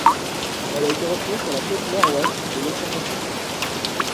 Elle a été retrouvée sur la côte Nord-ouest de l'océan Pacifique.